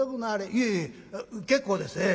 「いえいえ結構です。